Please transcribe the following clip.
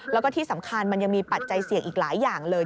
แล้วก็ที่สำคัญมันยังมีปัจจัยเสี่ยงอีกหลายอย่างเลย